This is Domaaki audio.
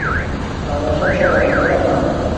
تماشا چھا راکانا